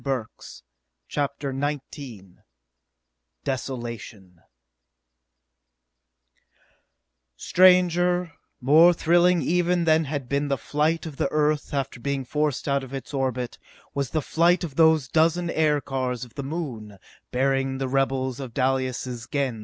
Burks_ CHAPTER XIX Desolation Stranger, more thrilling even than had been the flight of the Earth after being forced out of its orbit, was the flight of those dozen aircars of the Moon, bearing the rebels of Dalis' Gens back to Earth.